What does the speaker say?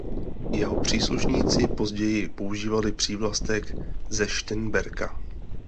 Jeho příslušníci později používali přívlastek "ze Šternberka".